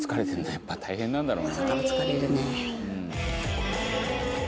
やっぱ大変なんだろうな」